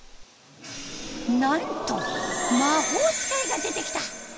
なんと魔法使いが出てきた！